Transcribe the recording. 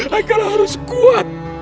haikal harus kuat